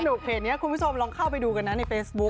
เพจนี้คุณผู้ชมลองเข้าไปดูกันนะในเฟซบุ๊ค